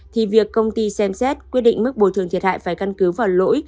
thì việc công ty xem xét quyết định mức bồi thường thiệt hại phải căn cứ vào lỗi